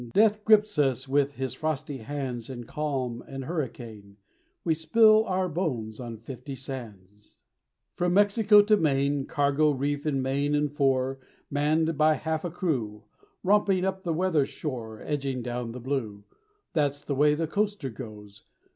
Death grips us with his frosty hands In calm and hurricane; We spill our bones on fifty sands From Mexico to Maine. _Cargo reef in main and fore, Manned by half a crew; Romping up the weather shore, Edging down the Blue That's the way the Coaster goes.